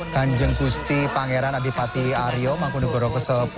kanjeng kusti pangeran adipati aryo mangkunegoro ke sepuluh